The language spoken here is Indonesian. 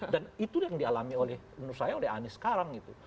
dan itu yang dialami menurut saya oleh anis sekarang gitu